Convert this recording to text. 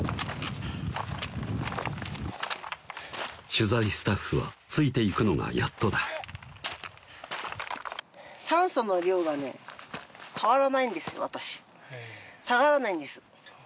取材スタッフはついていくのがやっとだ酸素の量がね変わらないんです私下がらないんです